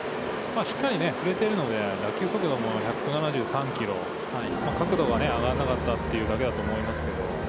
しっかり振れてるので打球速度も１７３キロ、角度が上がらなかったというだけだと思いますけど。